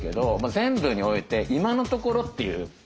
全部において今のところっていうことですね。